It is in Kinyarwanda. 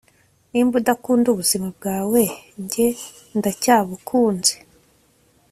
nimbi udakunda ubuzima bwawe njye ndacyabukunze